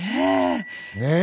ねえ？